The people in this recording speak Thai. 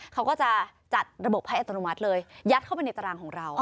เขาก็จะจัดระบบให้อัตโนมัติเลยยัดเข้าไปในตารางของเรา